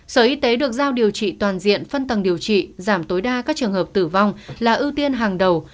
sở y tế được giao điều trị toàn diện phân tầng điều trị giảm tối đa các trường hợp tử vong là ưu tiên hàng đầu